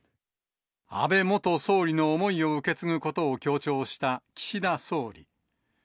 安倍元総理の思いを受け継ぐことを強調した岸田総理。